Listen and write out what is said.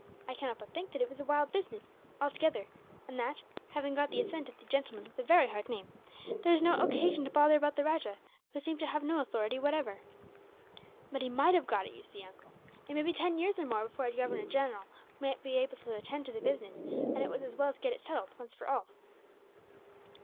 I cannot but think that it was a wild business, altogether; and that, having got the assent of the gentleman with the very hard name, there was no occasion to bother about the rajah, who seemed to have no authority whatever." "But he might have got it, you see, uncle. It may be ten years or more before a governor general will be able to attend to the business, and it was as well to get it settled, once for all."